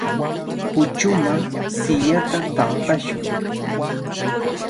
Kuchuman siillata tanqashun.